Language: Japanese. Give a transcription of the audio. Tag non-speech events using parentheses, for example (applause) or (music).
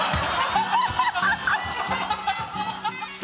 ハハハ (laughs)